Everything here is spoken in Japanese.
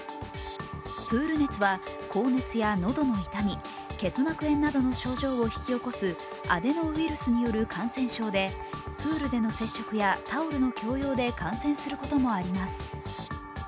プール熱は高熱や喉の痛み、結膜炎などの症状を引き起こすアデノウイルスによる感染症でプールでの接触やタオルの共用で感染することもあります。